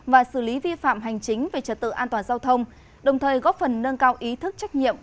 và xử lý vi phạm hành chính về trật tự an toàn giao thông đồng thời góp phần nâng cao ý thức trách nhiệm